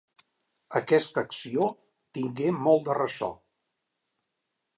Aquesta acció tingué molt de ressò.